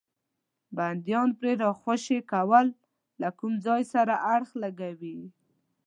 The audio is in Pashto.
بندیان پرې راخوشي کول له کوم ځای سره اړخ لګوي.